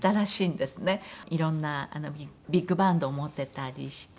いろんなビッグバンドを持ってたりして。